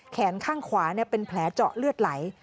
แขนข้างขวาเป็นแผลเจาะเลือดไหล